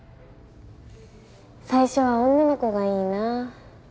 最初は女の子がいいなぁ。